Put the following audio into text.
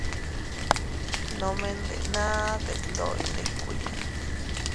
Nome ndenaa detndoʼo iyndikuiya.